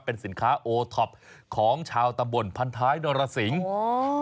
เป็นสินค้าโอท็อปของชาวตำบลพันท้ายนรสิงอ๋อ